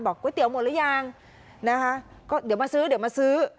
ก๋วยเตี๋ยวหมดหรือยังนะคะก็เดี๋ยวมาซื้อเดี๋ยวมาซื้อ